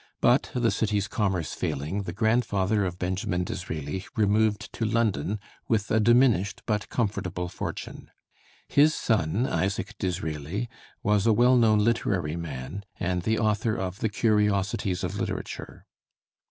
But the city's commerce failing, the grandfather of Benjamin Disraeli removed to London with a diminished but comfortable fortune. His son, Isaac Disraeli, was a well known literary man, and the author of 'The Curiosities of Literature.'